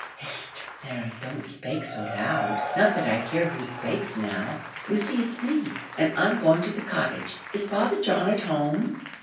"Hist, Mary, don't spake so loud not that I care who spakes now; you see it's me; and I'm going to the Cottage. Is Father John at home?"